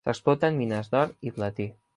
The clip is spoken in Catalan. S'exploten mines d'or i platí.